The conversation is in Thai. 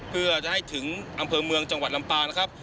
เพื่อจะให้ถึงอำเภอเมืองจังหวัดลำปางนะครับ